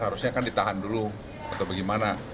harusnya kan ditahan dulu atau bagaimana